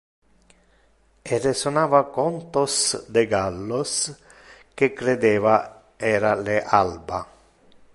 E resonava contos de gallos que credeva era le alba.